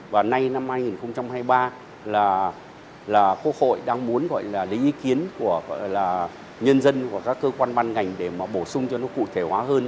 và nay năm hai nghìn hai mươi ba là quốc hội đang muốn gọi là lấy ý kiến của gọi là nhân dân hoặc các cơ quan ban ngành để mà bổ sung cho nó cụ thể hóa hơn